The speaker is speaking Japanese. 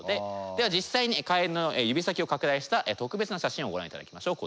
では実際にカエルの指先を拡大した特別な写真をご覧いただきましょう。